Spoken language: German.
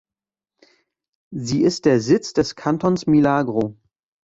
Sie ist der Sitz des Kantons Milagro.